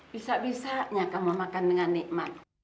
bisa bisanya kamu makan dengan nikmat